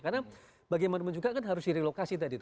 karena bagaimanapun juga kan harus direlokasi tadi